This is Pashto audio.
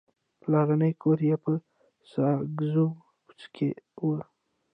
پلرنی کور یې په ساګزو کوڅه کې و.